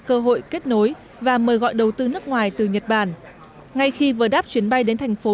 cơ hội kết nối và mời gọi đầu tư nước ngoài từ nhật bản ngay khi vừa đáp chuyến bay đến thành phố